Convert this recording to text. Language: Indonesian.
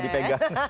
harus malah dipegang